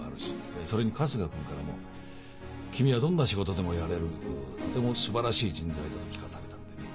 それに春日君からも君はどんな仕事でもやれるとてもすばらしい人材だと聞かされたんでね